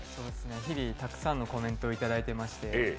日々、たくさんのコメントをいただいてまして。